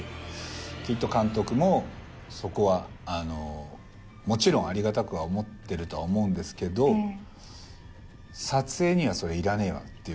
きっと監督もそこはもちろんありがたくは思ってるとは思うんですけど「撮影にはそれいらねえわ」って